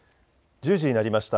１０時になりました。